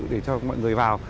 để cho mọi người vào